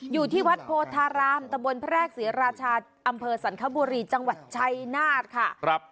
อยู่ที่วัดโพธารามตะบนแพรกศรีราชาอำเภอสันคบุรีจังหวัดชัยนาธค่ะ